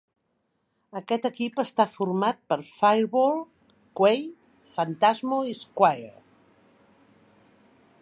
Aquest equip està format per Fireball, Kuei, Phantasmo i Squire.